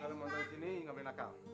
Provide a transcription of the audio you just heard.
kalau mau dateng sini gak boleh nakal